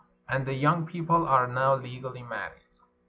And the young people are now legally married.